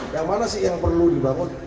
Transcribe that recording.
yang mana sih yang perlu dibangun